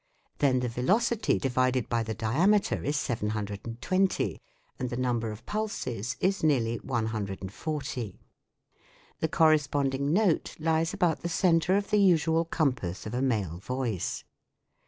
Then the velocity divided by the diameter is 720, and the number of pulses is nearly 140 : the corresponding note lies about the centre of the usual compass of a male voice.